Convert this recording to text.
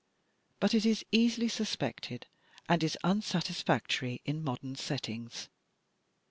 But it is easily suspected, and is unsatisfactory in modern settings.